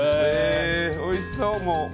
おいしそう、もう。